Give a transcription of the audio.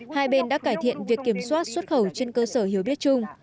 hai bên đã cải thiện việc kiểm soát xuất khẩu trên cơ sở hiểu biết chung